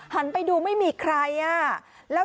หันไปดูไม่มีใครแล้ว